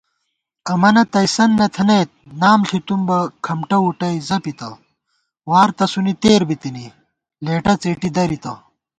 امَنہ تئیسَن تہ تھَنَئیت، نام ݪِتُم بہ کھمٹہ وُٹَئ زَپِتہ * وار تسُونی تېت بِتِنی لېٹہ څېٹی دَرِتہ